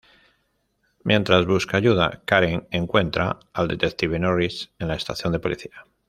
Mientras busca ayuda, Karen encuentra al detective Norris en la estación de policía.